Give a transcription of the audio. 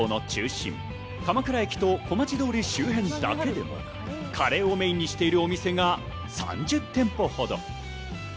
鎌倉観光の中心、鎌倉駅と小町通り周辺だけでもカレーをメインにしているお店が３０店舗ほど。